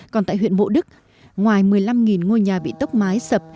còn tại huyện bộ đức ngoài một mươi năm ngôi nhà bị tốc mái sập